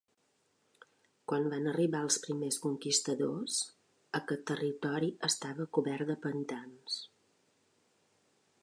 Quan van arribar els primers conquistadors aquest territori estava cobert de pantans.